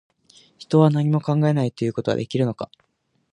人は、何も考えないということはできるのか